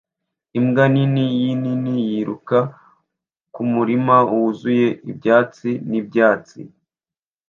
Imbwa nini yinini yiruka kumurima wuzuye ibyatsi n'ibyatsi